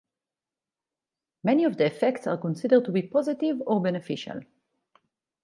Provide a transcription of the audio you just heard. Many of the effects are considered to be positive or beneficial.